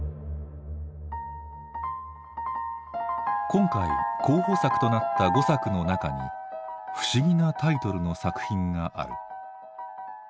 今回候補作となった５作の中に不思議なタイトルの作品がある。